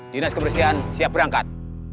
dinas kebersihan siap berangkat